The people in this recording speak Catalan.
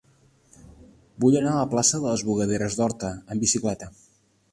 Vull anar a la plaça de les Bugaderes d'Horta amb bicicleta.